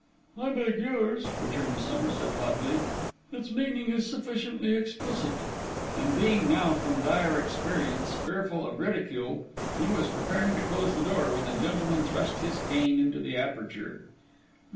'I beg yours,' returned Somerset hotly. 'Its meaning is sufficiently explicit.' And being now, from dire experience, fearful of ridicule, he was preparing to close the door, when the gentleman thrust his cane into the aperture.